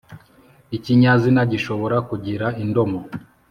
ikinyazina gishobora kugira indomo,